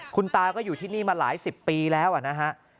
คุณตาก็อยู่ที่นี่มาหลายสิบปีแล้วนะฮะ